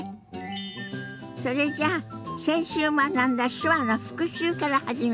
それじゃあ先週学んだ手話の復習から始めましょ。